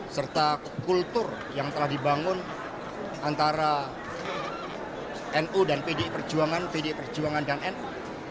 serta kultur yang telah dibangun antara nu dan pdi perjuangan pdi perjuangan dan nu